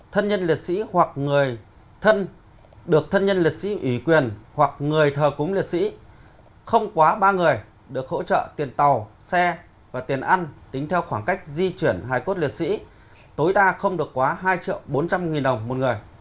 thân nhân liệt sĩ hoặc người thân được thân nhân liệt sĩ ủy quyền hoặc người thờ cúng liệt sĩ không quá ba người được hỗ trợ tiền tàu xe và tiền ăn tính theo khoảng cách di chuyển hai cốt liệt sĩ tối đa không được quá hai triệu bốn trăm linh nghìn đồng một người